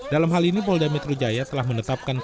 dalam hal ini polda metro jaya telah menetapkan